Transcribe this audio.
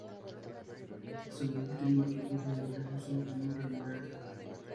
Su último equipo fue el F. C. Núremberg.